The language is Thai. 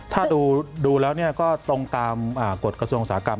ถ้าดูแล้วก็ตรงตามกฎกระทรวงอุตสาหกรรม